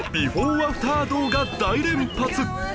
アフター動画大連発！